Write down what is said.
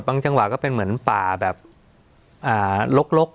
จังหวะก็เป็นเหมือนป่าแบบลก